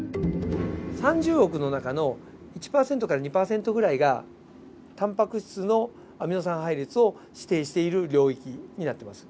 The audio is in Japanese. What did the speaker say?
３０億の中の１％から２％ぐらいがタンパク質のアミノ酸配列を指定している領域になってます。